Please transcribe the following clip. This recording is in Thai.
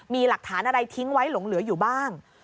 มีหลักฐานอะไรทิ้งไว้หลงเหลืออยู่บ้าง